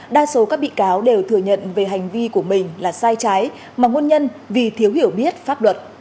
đa số các bị cáo đều thừa nhận về hành vi của mình là sai trái mà nguồn nhân vì thiếu hiểu biết pháp luật